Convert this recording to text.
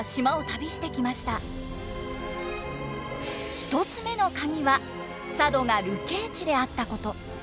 １つ目のカギは佐渡が流刑地であったこと。